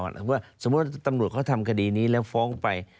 สมมุติตำรวจเขาทำคดีนี้แล้วฟ้องไป